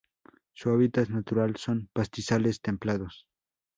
Su hábitat natural son: pastizales templados.